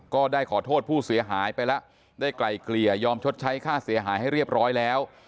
ก็ได้ขอโทษผู้เสียหายไปแล้วได้ไกลเกลี่ยยอมชดใช้ค่าเสียหายให้เรียบร้อยแล้ว